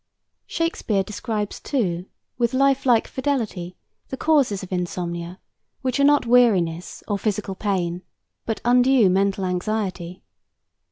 Shakespeare describes, too, with lifelike fidelity, the causes of insomnia, which are not weariness or physical pain, but undue mental anxiety.